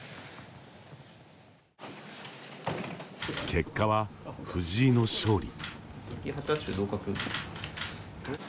結果は藤井の勝利。